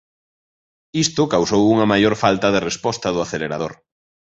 Isto causou unha maior falta de resposta do acelerador.